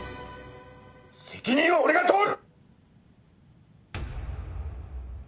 責任は俺がとる！